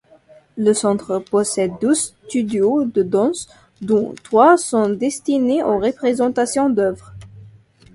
Le centre possède douze studios de danses, dont trois sont destinées aux représentations d'œuvres.